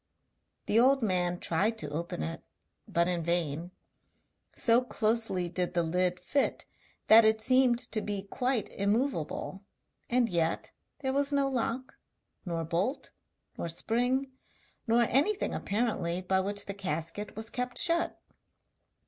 The old man tried to open it, but in vain so closely did the lid fit that it seemed to be quite immovable, and yet there was no lock, nor bolt, nor spring, nor anything apparently by which the casket was kept shut.